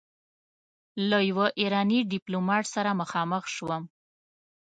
له يوه ايراني ډيپلومات سره مخامخ شوم.